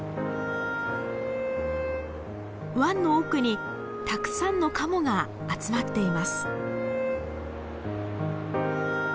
湾の奥にたくさんのカモが集まっています。